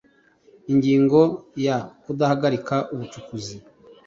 Ingingo ya kudahagarika ubucukuzi